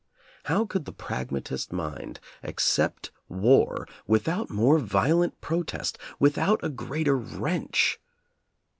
How could the pragmatist mind accept war without more violent protest, without a greater wrench*?